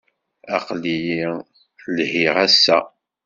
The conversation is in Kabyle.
Aql-iyi lhiɣ, ass-a.